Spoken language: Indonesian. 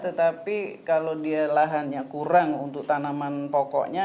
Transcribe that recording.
tetapi kalau dia lahannya kurang untuk tanaman pokoknya